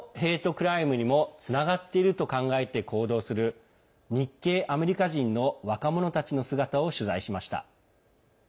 クライムにもつながっていると考えて行動する日系アメリカ人の若者たちの姿を取材しました。